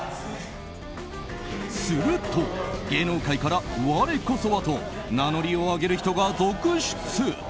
すると芸能界から我こそはと名乗りを上げる人が続出。